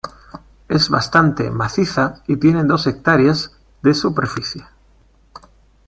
Es bastante maciza y tiene dos hectáreas de superficie.